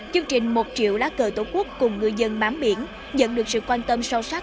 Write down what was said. chương trình một triệu lá cờ tổ quốc cùng ngư dân bám biển nhận được sự quan tâm sâu sắc